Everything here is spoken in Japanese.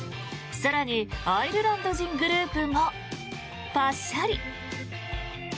更にアイルランド人グループもパシャリ。